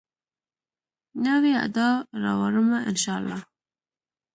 نوي ادا راوړمه، ان شاالله